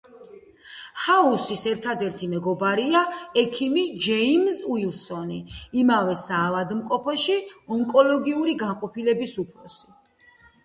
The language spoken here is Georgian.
ჰაუსის ერთადერთი მეგობარია ექიმი ჯეიმზ უილსონი, იმავე საავადმყოფოში ონკოლოგიური განყოფილების უფროსი.